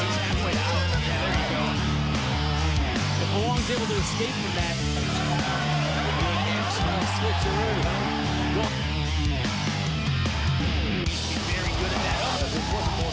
สวัสดีครับ